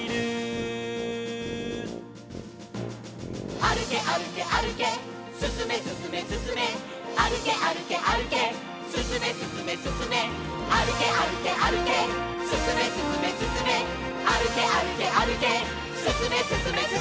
「あるけあるけあるけすすめすすめすすめ」「あるけあるけあるけすすめすすめすすめ」「あるけあるけあるけすすめすすめすすめ」「あるけあるけあるけすすめすすめすすめ」